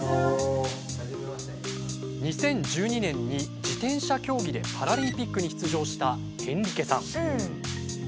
２０１２年に自転車競技でパラリンピックに出場したヘンリケさん。